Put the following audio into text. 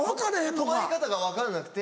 止まり方が分かんなくて。